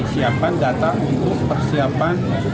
siapan datang untuk persiapan